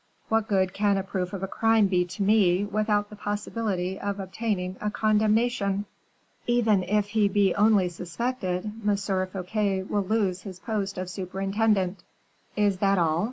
What good can a proof of a crime be to me, without the possibility of obtaining a condemnation?" "Even if he be only suspected, M. Fouquet will lose his post of superintendent." "Is that all?"